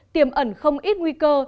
tiềm ẩn không ít nguy cơ